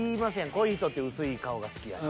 濃い人って薄い顔が好きやし。